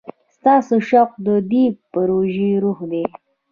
ستاسو شوق د دې پروژې روح دی.